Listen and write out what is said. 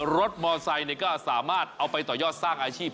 มอไซค์ก็สามารถเอาไปต่อยอดสร้างอาชีพ